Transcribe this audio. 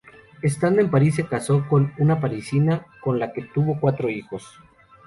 Estando en París se casó con una parisina, con la que tuvo cuatro hijos.